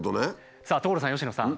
さあ所さん佳乃さん